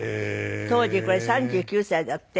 当時これ３９歳だって。